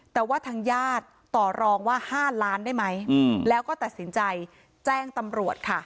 แต่ว่าทางญาติต่อรองว่า๕ล้านได้ไหมแล้วก็ตัดสินใจแจ้งตำรวจค่ะ